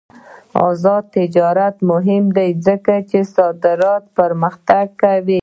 آزاد تجارت مهم دی ځکه چې صادرات پرمختګ کوي.